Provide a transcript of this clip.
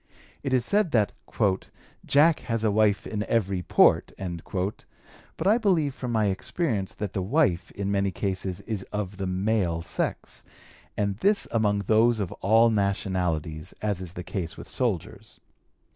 It is said that 'Jack has a wife in every port,' but I believe from my experience that the wife in many cases is of the male sex, and this among those of all nationalities, as is the case with soldiers.